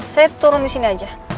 saya turun di sini aja